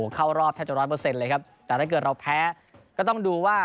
เข้ารอบแทบจะร้อยเปอร์เซ็นต์เลยครับแต่ถ้าเกิดเราแพ้ก็ต้องดูว่า